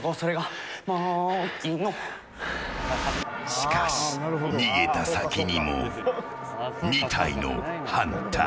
しかし、逃げた先にも２体のハンター。